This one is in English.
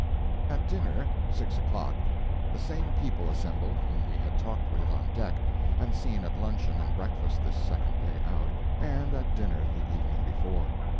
At dinner, six o'clock, the same people assembled whom we had talked with on deck and seen at luncheon and breakfast this second day out, and at dinner the evening before.